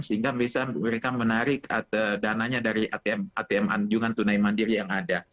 sehingga bisa mereka menarik dananya dari atm anjungan tunai mandiri yang ada